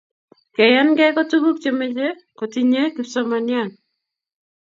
keyankeei ko tukuk chemeikotinye kipsomanian